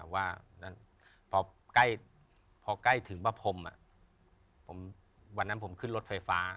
ว่าพอใกล้ถึงประพรมวันนั้นผมขึ้นรถไฟฟ้า